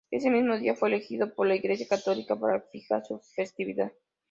Ese mismo día fue elegido por la Iglesia católica para fijar su festividad.